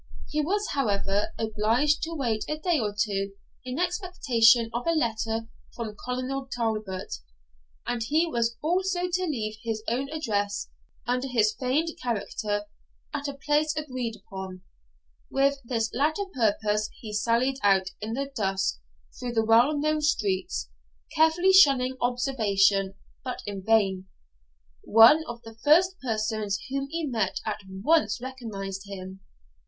He was, however, obliged to wait a day or two in expectation of a letter from Colonel Talbot, and he was also to leave his own address, under his feigned character, at a place agreed upon. With this latter purpose he sallied out in the dusk through the well known streets, carefully shunning observation, but in vain: one of the first persons whom he met at once recognised him.